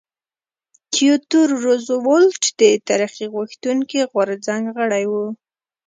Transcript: تیودور روزولټ د ترقي غوښتونکي غورځنګ غړی و.